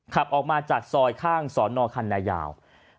ขับออกมาจากซอยข้างสอนอคันนายาว